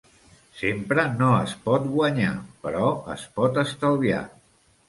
Sempre no es pot guanyar, però es pot estalviar.